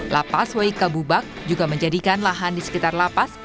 lapas waika bubak juga menjadikan lahan di sekitar lapas